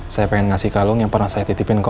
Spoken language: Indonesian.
saya pengen ngasih kalung yang pernah saya titipin